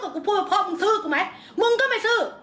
มึงซื้อกูมั้ยมึงก็ไม่ซื้อ